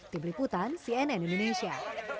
diberikutan cnn indonesia